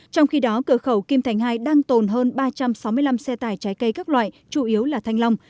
trong khi đó cửa khẩu kim thành hai đang tồn hơn ba trăm sáu mươi năm xe tải trái cây các loại chủ yếu là thanh long